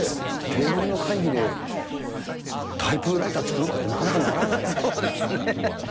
テーブルの会議で、タイプライター作ろうかなってなかなかならなそうですね。